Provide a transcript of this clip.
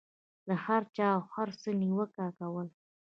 د هر چا او هر څه نیوکه کول.